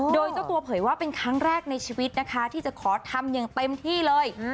โดยเจ้าตัวเผยว่าเป็นครั้งแรกในชีวิตนะคะที่จะขอทำอย่างเต็มที่เลย